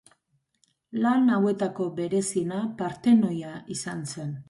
Lan hauetako bereziena Partenoia izan zen.